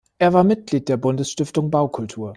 Er war Mitglied der Bundesstiftung Baukultur.